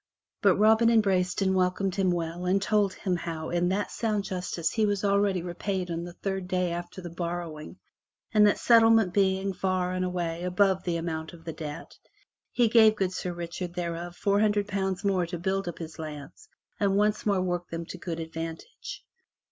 But Robin embraced and welcomed him well and told him how that in sound justice he was already repaid on the third day after the borrowing, and that settlement being far and away above the amount of the debt, he gave good Sir Richard thereof four hundred pounds more to build up his lands and once more 70 FROM THE TOWER WINDOW work them to good advantage.